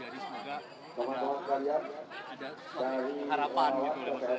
semoga ada harapan gitu